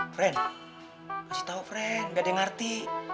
friend kasih tau friend gak ada yang ngerti